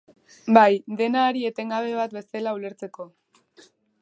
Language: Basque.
Bai, dena hari etengabe bat bezala ulertzeko.